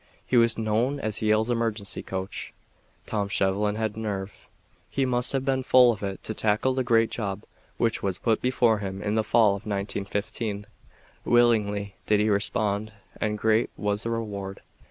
He was known as Yale's emergency coach. Tom Shevlin had nerve. He must have been full of it to tackle the great job which was put before him in the fall of 1915. Willingly did he respond and great was the reward.